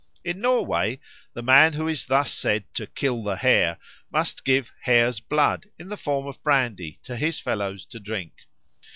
In Norway the man who is thus said to "kill the Hare" must give "hare's blood," in the form of brandy, to his fellows to drink.